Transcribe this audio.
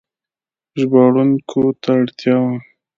ژباړونکو ته اړتیا وه.